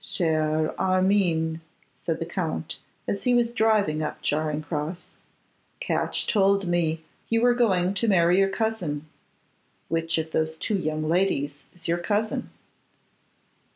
'Cher Armine,' said the Count, as he was driving up Charing cross, 'Catch told me you were going to marry your cousin. Which of those two young ladies is your cousin?